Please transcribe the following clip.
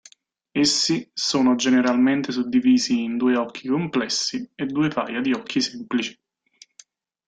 Essi sono generalmente suddivisi in due occhi complessi e due paia di occhi semplici.